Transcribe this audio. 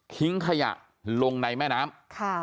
ทิ้งขยะลงในแม่น้ำ